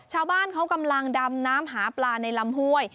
ชาวบ้านเขากำลังดำน้ำหาปลาในลำห้วย